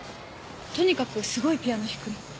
とにかくすごいピアノを弾くの。